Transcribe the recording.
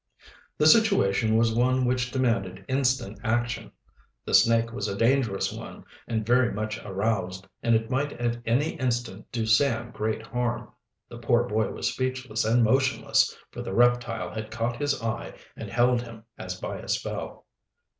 The situation was one which demanded instant action. The snake was a dangerous one, and very much aroused, and it might at any instant do Sam great harm. The poor boy was speechless and motionless, for the reptile had caught his eye and held him as by a spell.